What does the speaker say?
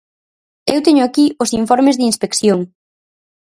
Eu teño aquí os informes de inspección.